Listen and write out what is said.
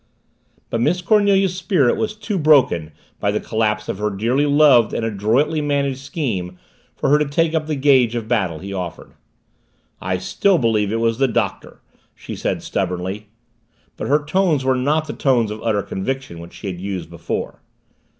But Miss Cornelia's spirit was too broken by the collapse of her dearly loved and adroitly managed scheme for her to take up the gauge of battle he offered. "I still believe it was the Doctor," she said stubbornly. But her tones were not the tones of utter conviction which she had used before.